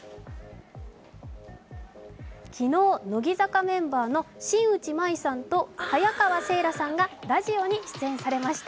昨日、乃木坂メンバーの新内眞衣さんと早川聖来さんがラジオに出演されました。